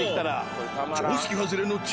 常識外れの超！